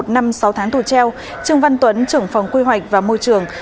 một năm sáu tháng tù treo trương văn tuấn trưởng phòng quy hoạch và môi trường